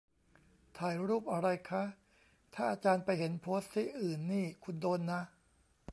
"ถ่ายรูปอะไรคะ" "ถ้าอาจารย์ไปเห็นโพสต์ที่อื่นนี่คุณโดนนะ"